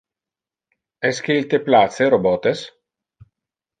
Esque il te place robotes?